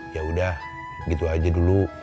yaudah gitu aja dulu